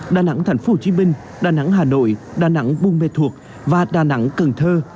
đà nẵng thành phố hồ chí minh đà nẵng hà nội đà nẵng buôn mê thuộc và đà nẵng cần thơ